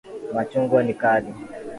Machungwa ni kali.